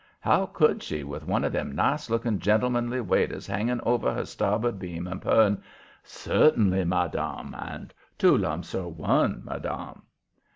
How could she, with one of them nice looking gentlemanly waiters hanging over her starboard beam and purring, "Certainly, madam," and "Two lumps or one, madam?"